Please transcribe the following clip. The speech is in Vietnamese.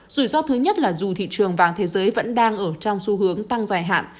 rủi ro thứ nhất là dù thị trường vàng thế giới vẫn đang ở trong xu hướng tăng dài hạn